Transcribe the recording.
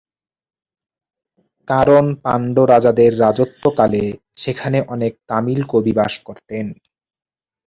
কারণ পাণ্ড্য রাজাদের রাজত্বকালে সেখানে অনেক তামিল কবি বাস করতেন।